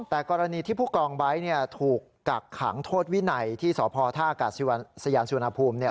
แต่กรณีที่ผู้กองไบท์ถูกกักขังโทษวินัยที่สพท่าอากาศยานสุวรรณภูมิ